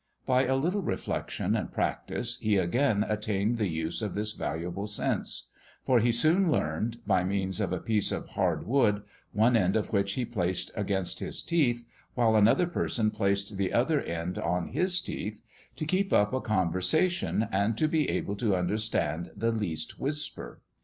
By a little reflection and practice, he again attained the use of this valuable sense; for he soon learned by means of a piece of hard wood, one end of which he placed against his teeth, while another person placed the other end on his teeth to keep up a conversation, and to be able to understand the least whisper.